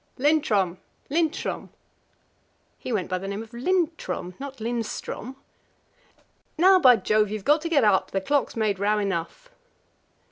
"Lindtrom! Lindtrom!" He went by the name of Lindtrom, not Lindström. "Now, by Jove! you've got to get up! The clock's made row enough."